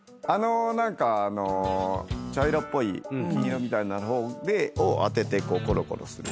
何かあの茶色っぽい金色みたいな方を当ててこうコロコロする。